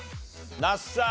那須さん。